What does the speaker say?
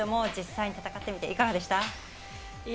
実際戦ってみていかがでしたか？